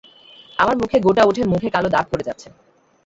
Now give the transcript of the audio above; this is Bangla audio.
আমার মুখে গোটা উঠে মুখে কালো দাগ পরে যাচ্ছে।